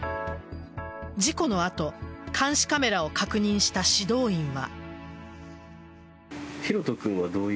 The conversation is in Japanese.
事故の後監視カメラを確認した指導員は。